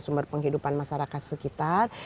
sumber penghidupan masyarakat sekitar